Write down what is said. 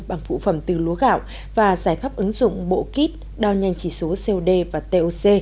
bằng phụ phẩm từ lúa gạo và giải pháp ứng dụng bộ kít đo nhanh chỉ số cod và toc